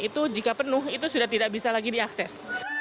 itu jika penuh itu sudah tidak bisa lagi diakses